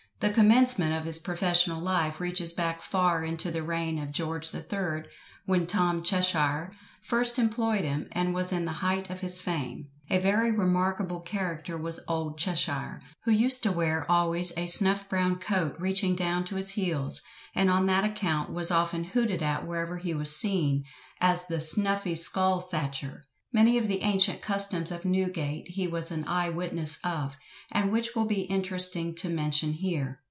The commencement of his professional life reaches back far into the reign of George the Third, when Tom Cheshire first employed him, and was in the height of his fame. A very remarkable character was old Cheshire, who used to wear always a snuff brown coat reaching down to his heels, and on that account was often hooted at wherever he was seen, as the "snuffy skull thatcher!" Many of the ancient customs of Newgate he was an eye witness of, and which will be interesting to mention here.